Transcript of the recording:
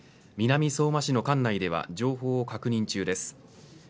南相馬市の管内では情報を確認中です。